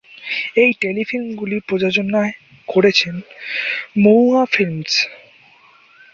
এই টেলিফিল্ম গুলি প্রযোজনায় করেছেন "মহুয়া ফিল্মস"।